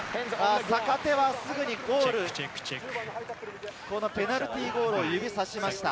坂手はすぐにゴール、ペナルティーゴールを指さしました。